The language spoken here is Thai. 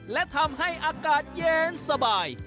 และทำให้อากาศเย็นสบาย